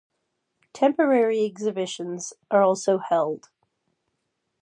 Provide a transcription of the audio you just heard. Temporary exhibitions are also held.